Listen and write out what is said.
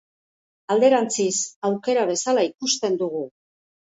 Alderantziz, aukera bezala ikusten dugu.